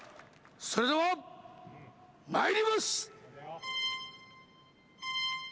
それではまいります！